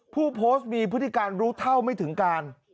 ผู้โพสต์มีพฤติการรู้เท่าไม่ถึงการ